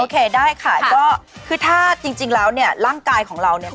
ได้ค่ะก็คือถ้าจริงแล้วเนี่ยร่างกายของเราเนี่ย